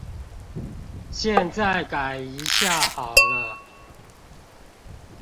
現在改一下好了